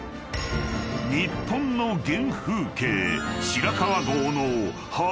［日本の原風景］